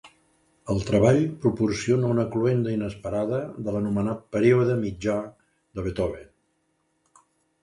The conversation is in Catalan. El treball proporciona una cloenda inesperada de l'anomenat període mitjà de Beethoven.